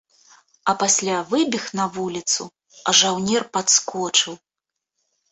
А пасля выбег на вуліцу, а жаўнер падскочыў.